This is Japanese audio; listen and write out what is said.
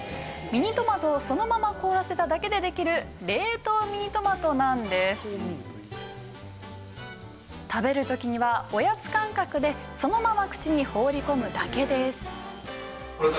ミニトマトをそのまま凍らせただけでできる食べる時にはおやつ感覚でそのまま口に放り込むだけです。